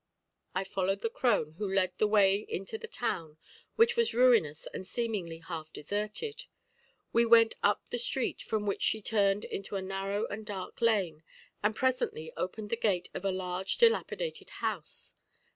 I followed the crone, who led the way into the town, which was ruinous and seemingly half deserted; we went up the street, from which she turned into a narrow and dark lane, and presently opened the gate of a large dilapidated house.